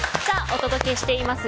お届けしています